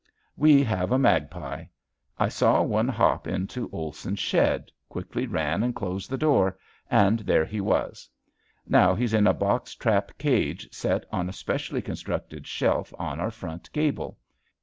We have a magpie. I saw one hop into Olson's shed, quickly ran and closed the door, and there he was. Now he's in a box trap cage set on a specially constructed shelf on our front gable.